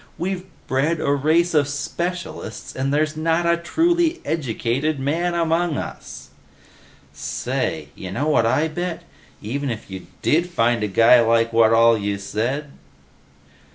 We've bred a race of specialists and there's not a truly educated man among us!" "Say, you know what I bet? Even if you did find a guy who's like what all you said